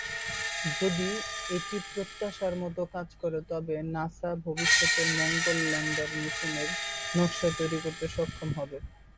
যদি এটি প্রত্যাশার মতো কাজ করে তবে নাসা ভবিষ্যতের মঙ্গল ল্যান্ডার মিশনের নকশা তৈরি করতে সক্ষম হবে।